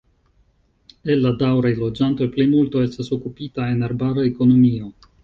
El la daŭraj loĝantoj plimulto estas okupita en arbara ekonomio.